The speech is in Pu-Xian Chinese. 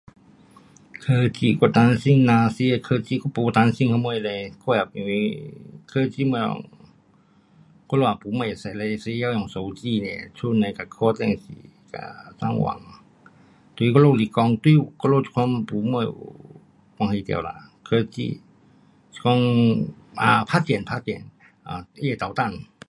科技，我当心那样新的科技，我没当心什么嘞，我也，因为科技东西，我们也没什么会使，除了手机 nia 家人跟看电视，跟上网。对我们来讲，对我们来讲没什么有关系到啦，科技，是讲啊，打电，打电，um 他会捣蛋。